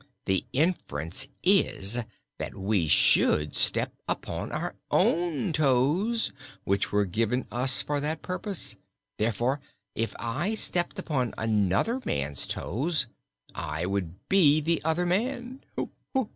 The inference is that we should step upon our own toes, which were given us for that purpose. Therefore, if I stepped upon another man's toes, I would be the other man.